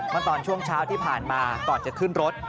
เมื่อตอนช่วงเช้าที่ผ่านมาก่อนจะขึ้นรถ